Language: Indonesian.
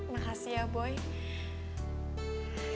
makasih ya boy